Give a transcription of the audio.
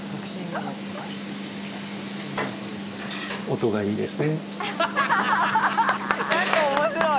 音がいいですね。